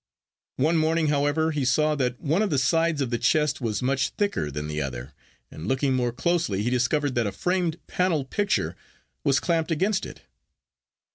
One morning, however, he saw that one of the sides of the chest was much thicker than the other, and looking more closely, he discovered that a framed panel picture was clamped against it.